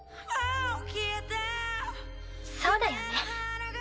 そうだよね。